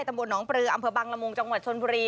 ตนปรืออบังลมงค์จชนบุรี